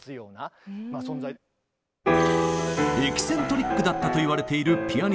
エキセントリックだったといわれているピアニストグールド。